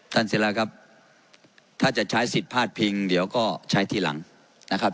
ศิราครับถ้าจะใช้สิทธิ์พาดพิงเดี๋ยวก็ใช้ทีหลังนะครับ